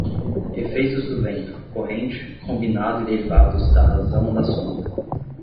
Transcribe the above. Efeitos do vento, corrente, combinado e derivados da razão da sonda.